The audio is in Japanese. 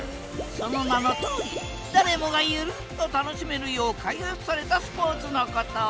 その名のとおり誰もがゆるっと楽しめるよう開発されたスポーツのこと。